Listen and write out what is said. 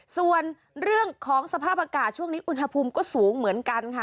ส่วนเรื่องของสภาพอากาศช่วงนี้อุณหภูมิก็สูงเหมือนกันค่ะ